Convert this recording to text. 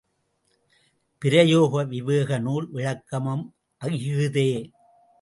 பிரயோக விவேகநூல் விளக்கமும் இஃதே.